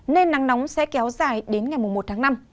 nên nắng nóng sẽ kéo dài đến ngày một tháng năm